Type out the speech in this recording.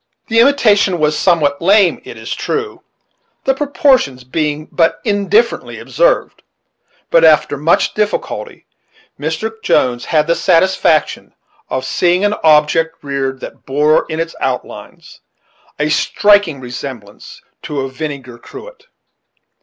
The imitation was somewhat lame, it was true, the proportions being but in differently observed; but, after much difficulty, Mr. Jones had the satisfaction of seeing an object reared that bore in its outlines, a striking resemblance to a vinegar cruet.